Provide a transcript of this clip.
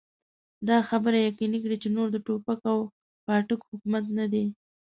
دا خبره يقيني کړي چې نور د ټوپک او پاټک حکومت نه دی.